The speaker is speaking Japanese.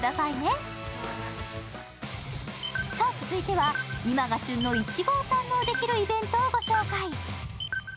続いては、今が旬のいちごを堪能できるイベントをご紹介。